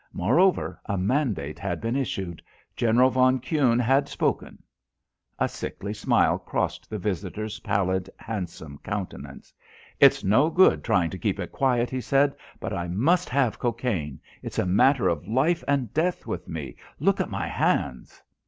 Moreover, a mandate had been issued. General von Kuhne had spoken.... A sickly smile crossed the visitor's pallid, handsome countenance. "It's no good trying to keep it quiet," he said; "but I must have cocaine. It's a matter of life and death with me. Look at my hands!"